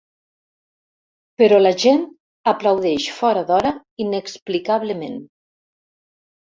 Però la gent aplaudeix fora d'hora, inexplicablement.